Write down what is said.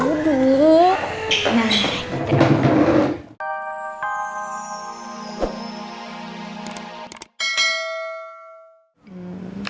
nah kita duduk